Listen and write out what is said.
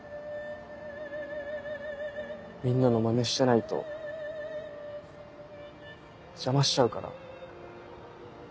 みんなのマネしてないと邪魔しちゃうから。